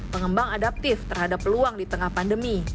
pengembang adaptif terhadap peluang di tengah pandemi